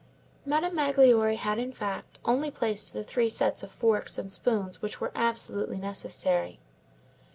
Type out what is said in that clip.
Madame Magloire had, in fact, only placed the three sets of forks and spoons which were absolutely necessary.